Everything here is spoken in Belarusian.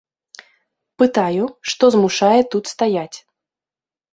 Пытаю, што змушае тут стаяць.